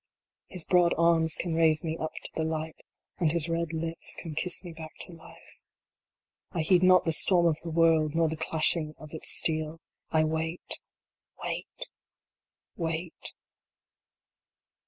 His broad arms can raise me up to the light, and his red lips can kiss me back to life. I heed not the storm of the world, nor the clashing of ts steel. I wait wait wait